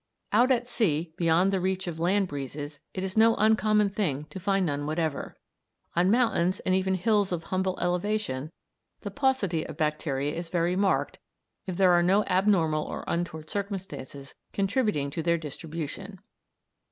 Out at sea, beyond the reach of land breezes, it is no uncommon thing to find none whatever; on mountains and even hills of humble elevation the paucity of bacteria is very marked if there are no abnormal or untoward circumstances contributing to their distribution.